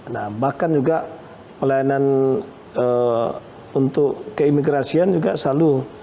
nah bahkan juga pelayanan untuk keimigrasian juga selalu